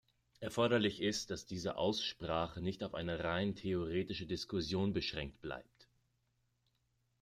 Erforderlich ist, dass diese Aussprache nicht auf eine rein theoretische Diskussion beschränkt bleibt.